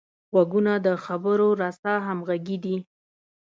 غوږونه د خبرو رسه همغږي دي